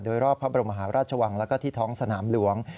โดยรอบพระบรมหาราชวังแล้วก็ที่ท้องสนามหลวง